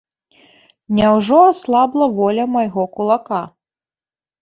Няўжо аслабла воля майго кулака?